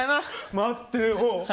待ってよ。